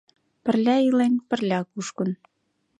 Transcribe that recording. Пырля илен, пырля кушкын